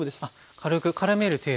軽くからめる程度。